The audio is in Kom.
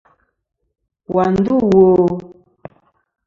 Wà ndû wo?